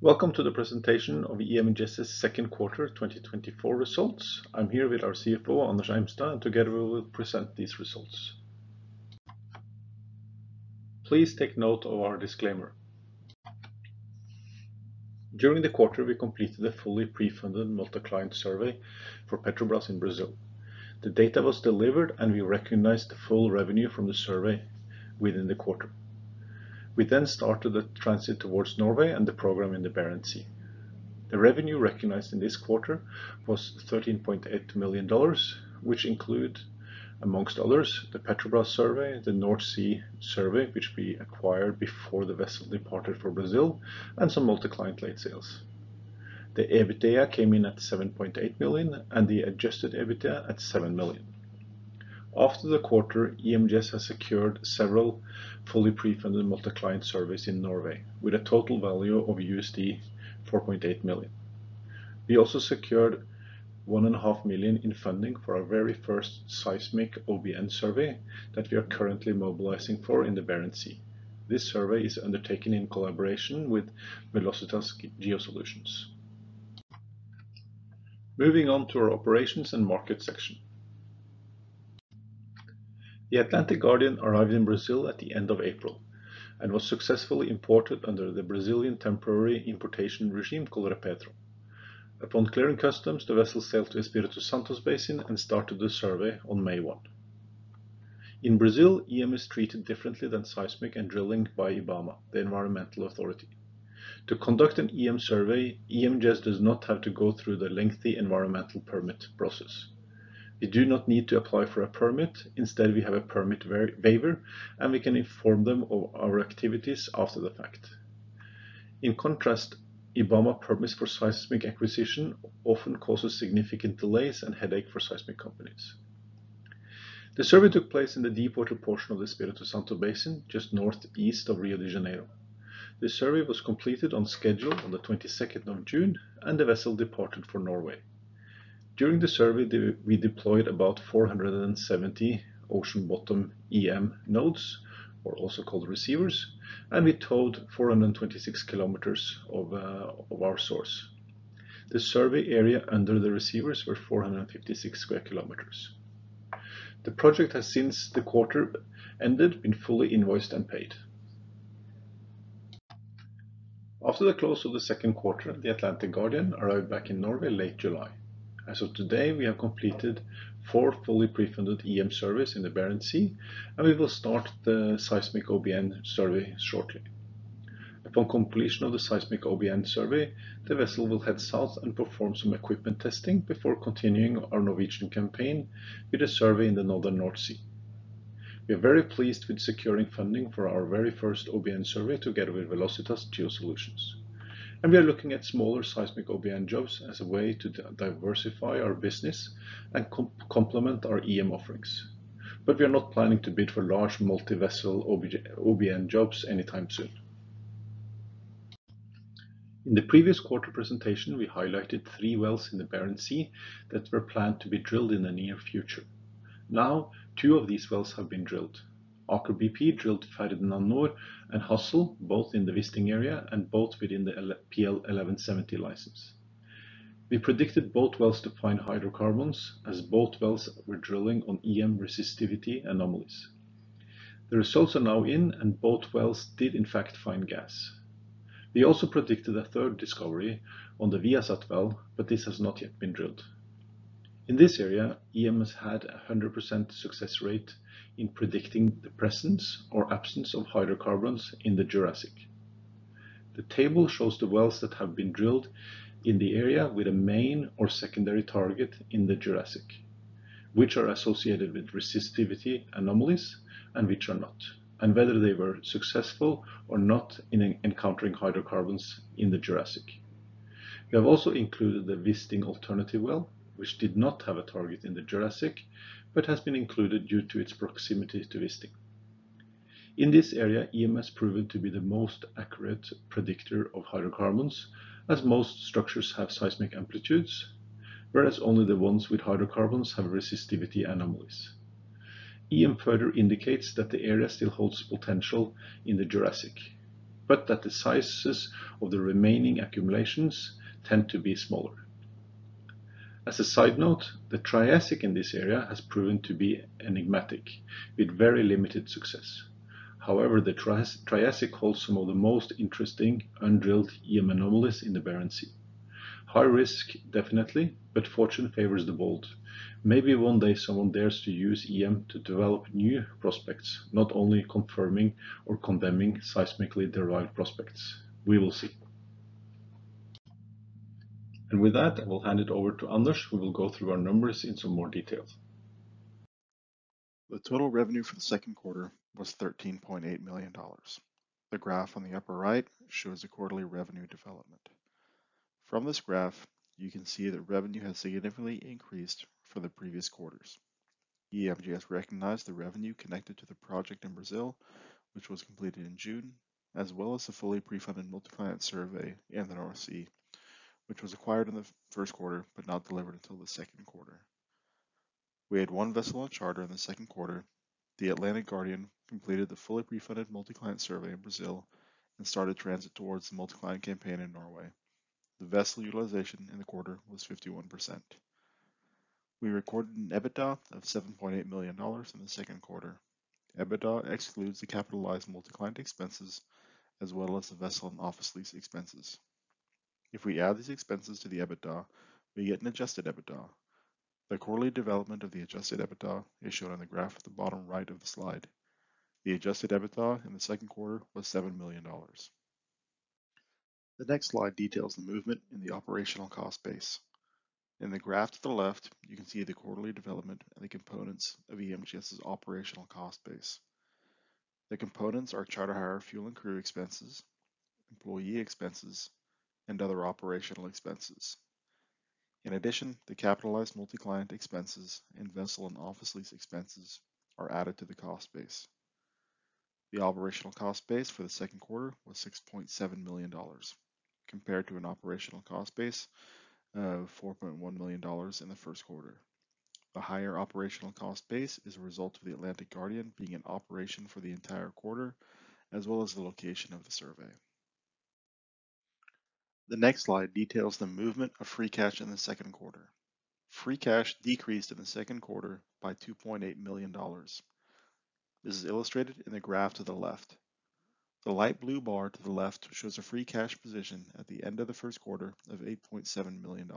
Welcome to the presentation of EMGS's Second Quarter 2024 Results. I'm here with our CFO, Anders Eimstad, and together we will present these results. Please take note of our disclaimer. During the quarter, we completed a fully pre-funded multi-client survey for Petrobras in Brazil. The data was delivered, and we recognized the full revenue from the survey within the quarter. We then started the transit towards Norway and the program in the Barents Sea. The revenue recognized in this quarter was $13.8 million, which include, amongst others, the Petrobras survey, the North Sea survey, which we acquired before the vessel departed for Brazil, and some multi-client late sales. The EBITDA came in at $7.8 million, and the adjusted EBITDA at $7 million. After the quarter, EMGS has secured several fully pre-funded multi-client surveys in Norway, with a total value of $4.8 million. We also secured $1.5 million in funding for our very first seismic OBN survey that we are currently mobilizing for in the Barents Sea. This survey is undertaken in collaboration with Velocitas GeoSolutions. Moving on to our operations and market section. The Atlantic Guardian arrived in Brazil at the end of April and was successfully imported under the Brazilian temporary importation regime called Repetro. Upon clearing customs, the vessel sailed to Espírito Santo Basin and started the survey on May 1. In Brazil, EM is treated differently than seismic and drilling by IBAMA, the environmental authority. To conduct an EM survey, EMGS does not have to go through the lengthy environmental permit process. We do not need to apply for a permit. Instead, we have a permit waiver, and we can inform them of our activities after the fact. In contrast, IBAMA permits for seismic acquisition often causes significant delays and headache for seismic companies. The survey took place in the deepwater portion of the Espírito Santo Basin, just northeast of Rio de Janeiro. The survey was completed on schedule on the 22nd of June, and the vessel departed for Norway. During the survey, we deployed about 470 ocean bottom EM nodes, or also called receivers, and we towed 426 km of our source. The survey area under the receivers were 456 sq km. The project has, since the quarter ended, been fully invoiced and paid. After the close of the second quarter, the Atlantic Guardian arrived back in Norway late July. As of today, we have completed four fully pre-funded EM surveys in the Barents Sea, and we will start the seismic OBN survey shortly. Upon completion of the seismic OBN survey, the vessel will head south and perform some equipment testing before continuing our Norwegian campaign with a survey in the northern North Sea. We are very pleased with securing funding for our very first OBN survey together with Velocitas GeoSolutions. We are looking at smaller seismic OBN jobs as a way to diversify our business and complement our EM offerings. We are not planning to bid for large multi-vessel OBN jobs anytime soon. In the previous quarter presentation, we highlighted three wells in the Barents Sea that were planned to be drilled in the near future. Now, two of these wells have been drilled. Aker BP drilled Ferdinand Nord and Hassel, both in the Wisting area and both within the PL 1170 license. We predicted both wells to find hydrocarbons, as both wells were drilling on EM resistivity anomalies. The results are now in, and both wells did in fact find gas. We also predicted a third discovery on the Viasat well, but this has not yet been drilled. In this area, EM has had a 100% success rate in predicting the presence or absence of hydrocarbons in the Jurassic. The table shows the wells that have been drilled in the area, with a main or secondary target in the Jurassic, which are associated with resistivity anomalies and which are not, and whether they were successful or not in encountering hydrocarbons in the Jurassic. We have also included the Wisting alternative well, which did not have a target in the Jurassic, but has been included due to its proximity to Wisting. In this area, EM has proven to be the most accurate predictor of hydrocarbons, as most structures have seismic amplitudes, whereas only the ones with hydrocarbons have resistivity anomalies. EM further indicates that the area still holds potential in the Jurassic, but that the sizes of the remaining accumulations tend to be smaller. As a side note, the Triassic in this area has proven to be enigmatic, with very limited success. However, the Triassic holds some of the most interesting undrilled EM anomalies in the Barents Sea. High risk, definitely, but fortune favors the bold. Maybe one day someone dares to use EM to develop new prospects, not only confirming or condemning seismically derived prospects. We will see. With that, I will hand it over to Anders, who will go through our numbers in some more details. The total revenue for the second quarter was $13.8 million. The graph on the upper right shows the quarterly revenue development. From this graph, you can see that revenue has significantly increased for the previous quarters. EMGS recognized the revenue connected to the project in Brazil, which was completed in June, as well as the fully pre-funded multi-client survey in the North Sea, which was acquired in the first quarter but not delivered until the second quarter. We had one vessel on charter in the second quarter. The Atlantic Guardian completed the fully funded multi-client survey in Brazil and started transit towards the multi-client campaign in Norway. The vessel utilization in the quarter was 51%. We recorded an EBITDA of $7.8 million in the second quarter. EBITDA excludes the capitalized multi-client expenses, as well as the vessel and office lease expenses. If we add these expenses to the EBITDA, we get an adjusted EBITDA. The quarterly development of the adjusted EBITDA is shown on the graph at the bottom right of the slide. The adjusted EBITDA in the second quarter was $7 million. The next slide details the movement in the operational cost base. In the graph to the left, you can see the quarterly development and the components of EMGS's operational cost base. The components are charter hire, fuel, and crew expenses, employee expenses, and other operational expenses. In addition, the capitalized multi-client expenses and vessel and office lease expenses are added to the cost base. The operational cost base for the second quarter was $6.7 million, compared to an operational cost base of $4.1 million in the first quarter. The higher operational cost base is a result of the Atlantic Guardian being in operation for the entire quarter, as well as the location of the survey. The next slide details the movement of free cash in the second quarter. Free cash decreased in the second quarter by $2.8 million. This is illustrated in the graph to the left. The light blue bar to the left shows a free cash position at the end of the first quarter of $8.7 million.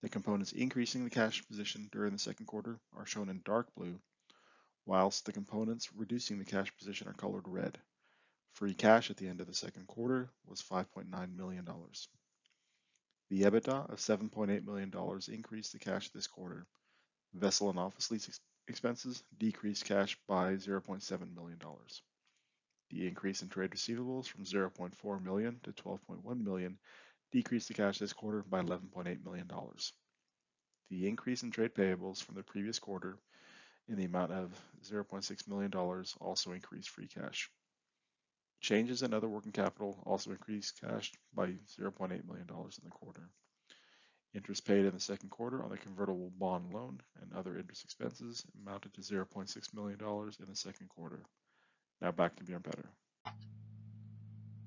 The components increasing the cash position during the second quarter are shown in dark blue, while the components reducing the cash position are colored red. Free cash at the end of the second quarter was $5.9 million. The EBITDA of $7.8 million increased the cash this quarter. Vessel and office lease expenses decreased cash by $0.7 million. The increase in trade receivables from $0.4 million to $12.1 million decreased the cash this quarter by $11.8 million. The increase in trade payables from the previous quarter in the amount of $0.6 million also increased free cash. Changes in other working capital also increased cash by $0.8 million in the quarter. Interest paid in the second quarter on the convertible bond loan and other interest expenses amounted to $0.6 million in the second quarter. Now back to Bjørn Petter.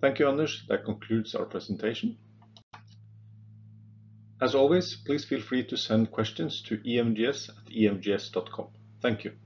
Thank you, Anders. That concludes our presentation. As always, please feel free to send questions to emgs@emgs.com. Thank you.